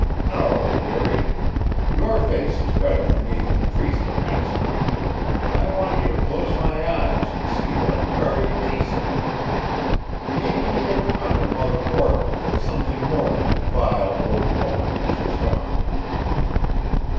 No, dearie; your face is better for me than priest or minister, and I want you to close my eyes and see that I'm buried decent. Maybe you'll remember Mother Borton for something more than a vile old woman when she's gone."